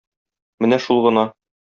Менә шул гына.